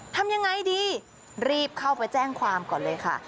ทำยังไงดีรีบเข้าไปแจ้งความก่อนเลยค่ะ